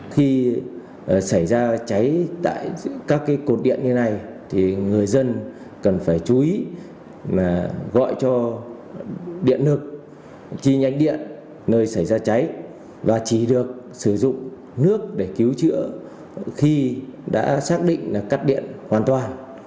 khi xảy ra cháy tại các cột điện như này thì người dân cần phải chú ý là gọi cho điện lực chi nhánh điện nơi xảy ra cháy và chỉ được sử dụng nước để cứu chữa khi đã xác định là cắt điện hoàn toàn